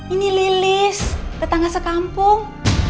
ini lilis tetangga sekampung